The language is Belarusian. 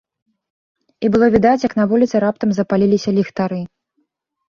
І было відаць, як на вуліцы раптам запаліліся ліхтары.